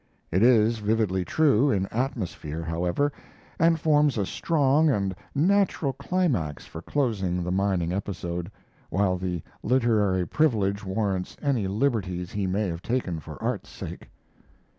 It is vividly true in atmosphere, however, and forms a strong and natural climax for closing the mining episode, while the literary privilege warrants any liberties he may have taken for art's sake.